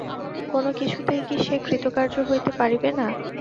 কোনো কিছুতেই কি সে কৃতকার্য হইতে পারিবে না।